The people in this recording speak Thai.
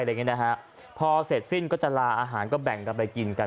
เดี๋ยวไหนแบบนี้นะฮะพอเสร็จสิ้นก็จะลาอาหารก็แบ่งกันไปกินกัน